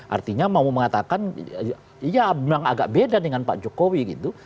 artinya mau mengatakan ya memang agak beda dengan pak jokowi gitu